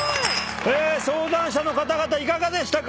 相談者の方々いかがでしたか？